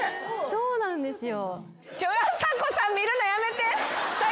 そうなんですよ。